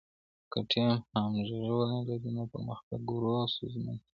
که ټیم همغږي ونلري نو پرمختګ ورو او ستونزمن کېږي.